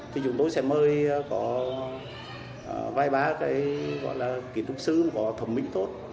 thì chúng tôi sẽ mời có vai bá cái gọi là kiến trúc sư có thông minh tốt